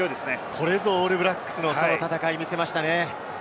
これぞオールブラックスの戦いを見せましたね。